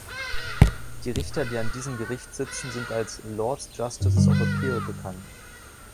Die Richter, die an diesem Gericht sitzen, sind als Lords Justices of Appeal bekannt.